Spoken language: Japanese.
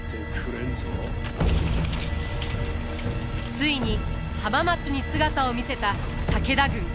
ついに浜松に姿を見せた武田軍。